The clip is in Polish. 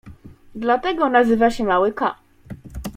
Dlatego nazywa się mały k.